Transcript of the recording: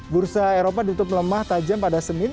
bursa eropa ditutup melemah tajam pada senin